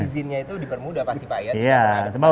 izinnya itu dipermudah pasti pak ya